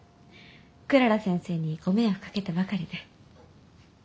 クララ先生にご迷惑かけてばかりで。